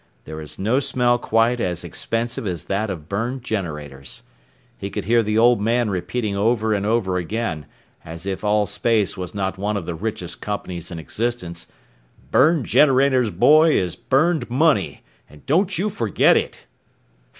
There is no smell quite as expensive as that of burned generators. He could hear the Old Man repeating over and over again as if Allspace was not one of the richest companies in existence "burned generators, boy, is burned money, and don't you forget it!"